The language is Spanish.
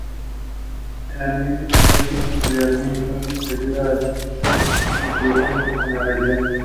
La ambientación fantástica de algunos álbumes ayuda asimismo a mantener distancia con la realidad.